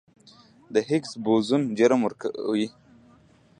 د هیګز بوزون جرم ورکوي.